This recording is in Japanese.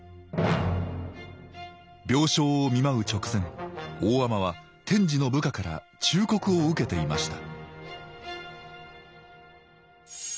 病床を見舞う直前大海人は天智の部下から忠告を受けていました